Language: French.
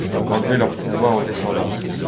Enlever leur pouvoir aux Descendants.